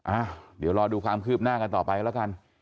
อ่ะเดี๋ยวรอดูความคืบหน้ากันต่อไปกันแล้วกัน